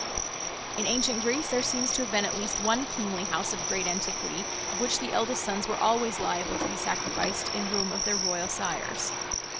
In ancient Greece there seems to have been at least one kingly house of great antiquity of which the eldest sons were always liable to be sacrificed in room of their royal sires.